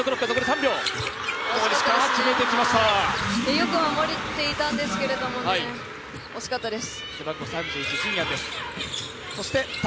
よく守れていたんですけれどもね惜しかったです。